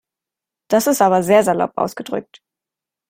Das ist aber sehr salopp ausgedrückt.